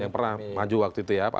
yang pernah maju waktu itu ya